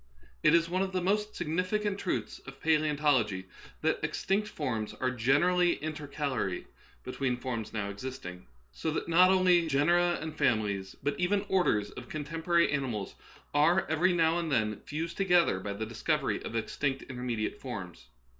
It is one of the most signifi cant truths of palasontology that extinct forms are generally intercalary between forms now existing ; so that not only genera and families, but even orders, of contemporary animals are every now and then fused together by the discovery of ex tinct intermediate forms.